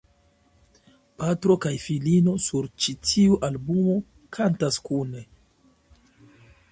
Patro kaj filino sur ĉi tiu albumo kantas kune.